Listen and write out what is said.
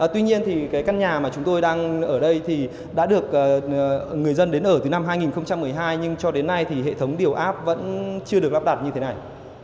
tuy nhiên thì cái căn nhà mà chúng tôi đang ở đây thì đã được người dân đến ở từ năm hai nghìn một mươi hai nhưng cho đến nay thì hệ thống điều áp vẫn chưa được lắp đặt như thế này